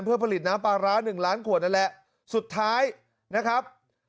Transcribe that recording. เพื่อผลิตน้ำปลาร้าหนึ่งล้านขวดนั่นแหละสุดท้ายนะครับ